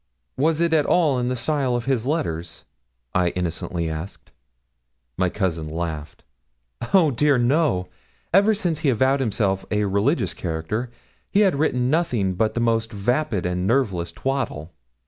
'Was it at all in the style of his letters?' I innocently asked. My cousin laughed. 'Oh, dear, no! Ever since he avowed himself a religious character, he had written nothing but the most vapid and nerveless twaddle.